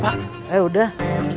pak eh udah